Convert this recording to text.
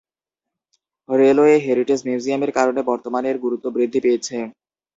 Railway heritage মিউজিয়ামের কারণে বর্তমানে এর গুরুত্ব বৃদ্ধি পেয়েছে।